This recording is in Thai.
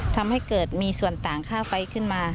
ทำให้เกิดมีส่วนต่างค่าไฟขึ้นมา